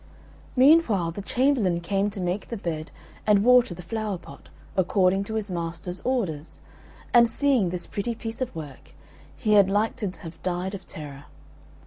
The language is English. Meanwhile the chamberlain came to make the bed and water the flower pot, according to his master's orders, and seeing this pretty piece of work, he had like to have died of terror.